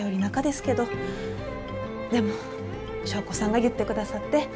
でも祥子さんが言ってくださって。